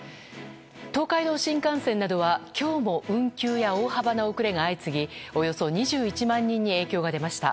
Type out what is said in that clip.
東海道新幹線などは、今日も運休や大幅な遅れが相次ぎおよそ２１万人に影響が出ました。